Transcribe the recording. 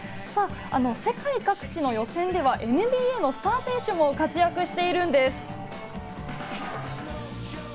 世界各地の予選ではＮＢＡのスター選手も活躍しているんです。